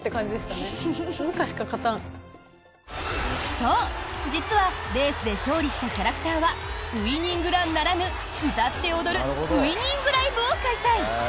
そう、実はレースで勝利したキャラクターはウイニングランならぬ歌って踊るウイニングライブを開催。